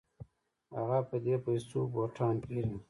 هغه په دې پیسو بوټان پيري.